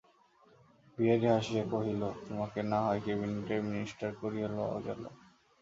বিহারী হাসিয়া কহিল, তোমাকেও নাহয় ক্যাবিনেটের মিনিস্টার করিয়া লওয়া গেল।